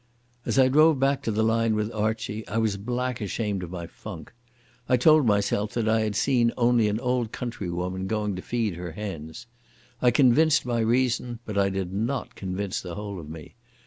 As I drove back to the line with Archie, I was black ashamed of my funk. I told myself that I had seen only an old countrywoman going to feed her hens. I convinced my reason, but I did not convince the whole of me.